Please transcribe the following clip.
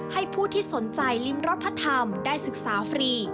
ให้ผู้ที่สนใจริมรถพระธรรมได้ศึกษาฟรี